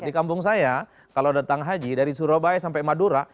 di kampung saya kalau datang haji dari surabaya sampai madura